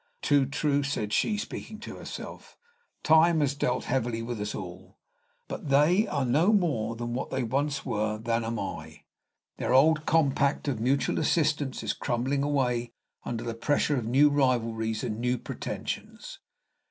"Too true," said she, speaking to herself, "time has dealt heavily with us all. But they are no more what they once were than am I. Their old compact of mutual assistance is crumbling away under the pressure of new rivalries and new pretensions.